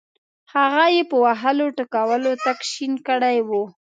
هغه یې په وهلو ټکولو تک شین کړی وو.